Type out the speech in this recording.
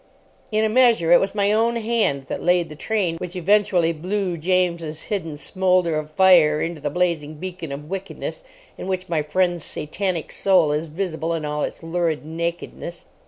In a measure it was my own hand that laid the train which eventually blew James' hidden smoulder of fire into the blazing beacon of wickedness, in which my friend's Satanic soul is visible in all its lurid nakedness.